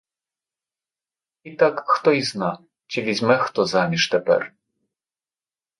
І так хто й зна — чи візьме хто заміж тепер.